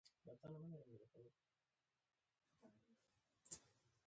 ایا زه باید پولیس شم؟